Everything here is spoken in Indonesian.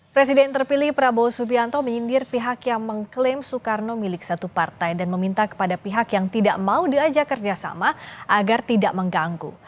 presiden terpilih prabowo subianto menyindir pihak yang mengklaim soekarno milik satu partai dan meminta kepada pihak yang tidak mau diajak kerjasama agar tidak mengganggu